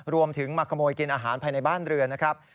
รวมถึงมาขโมยกินอาหารภายในบ้านเรือนนะครับ